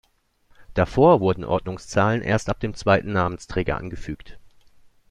Davor wurden Ordnungszahlen erst ab dem zweiten Namensträger angefügt.